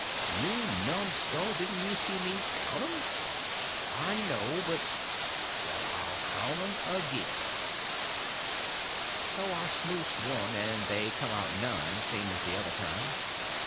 "You numskull, didn't you see me count 'm?" "I know, but—" "Well, I'll count 'm again." So I smouched one, and they come out nine, same as the other time.